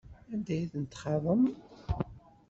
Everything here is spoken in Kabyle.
Anda ay ten-txaḍem?